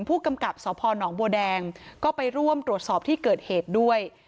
ผู้กำกับสพนบัวแดงก็ไปร่วมตรวจสอบที่เกิดเหตุด้วย